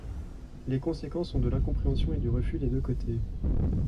Les conséquences sont de l'incompréhension et du refus des deux côtés.